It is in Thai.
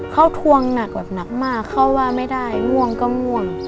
เขาทวงหนักแบบหนักมากเขาว่าไม่ได้ง่วงก็ง่วง